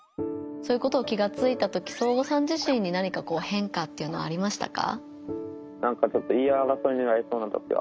そういうことを気がついたときそーごさん自身に何かこう変化っていうのありましたか？